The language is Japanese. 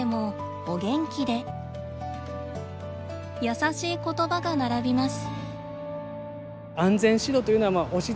優しいことばが並びます。